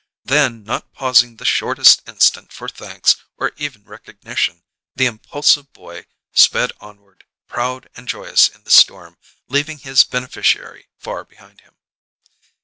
Then, not pausing the shortest instant for thanks or even recognition, the impulsive boy sped onward, proud and joyous in the storm, leaving his beneficiary far behind him.